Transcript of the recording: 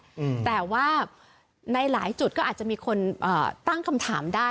อืมแต่ว่าในหลายจุดก็อาจจะมีคนเอ่อตั้งคำถามได้